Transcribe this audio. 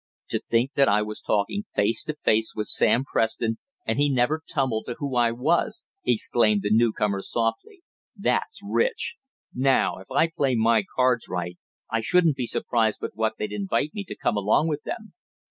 "To think that I was talking face to face with Sam Preston and he never tumbled to who I was!" exclaimed the newcomer softly. "That's rich! Now if I play my cards right I shouldn't be surprised but what they'd invite me to come along with them.